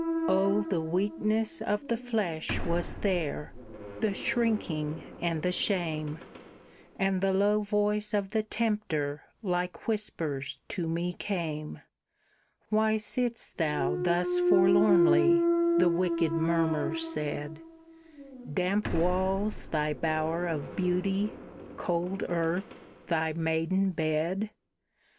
Oh, the weakness of the flesh was there, the shrinking and the shame; And the low voice of the Tempter like whispers to me came: "Why sit'st thou thus forlornly," the wicked murmur said, "Damp walls thy bower of beauty, cold earth thy maiden bed?